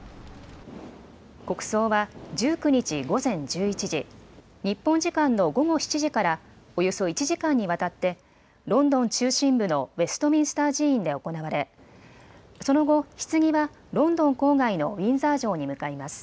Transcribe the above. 国葬は１９日午前１１時、日本時間の午後７時からおよそ１時間にわたってロンドン中心部のウェストミンスター寺院で行われその後、ひつぎはロンドン郊外のウィンザー城に向かいます。